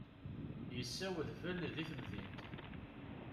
Yessa udfel di temdint.